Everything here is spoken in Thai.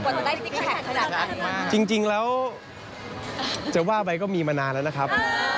จะได้ซิกแพคขนาดนั้นจริงแล้วจะว่าไปก็มีมานานแล้วนะครับ